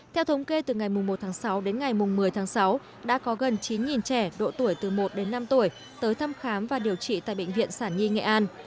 theo thống kê từ ngày một tháng sáu đến ngày một mươi tháng sáu đã có gần chín trẻ độ tuổi từ một đến năm tuổi tới thăm khám và điều trị tại bệnh viện sản nhi nghệ an